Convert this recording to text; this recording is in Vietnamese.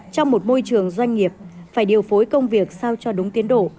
trong một môi trường doanh nghiệp phải điều phối công việc sao cho đúng tiến độ